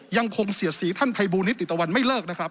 ยังคงเสียสีท่านภัยบูรณิติตะวันไม่เลิกนะครับ